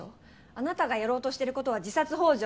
あなたがやろうとしてることは自殺幇助。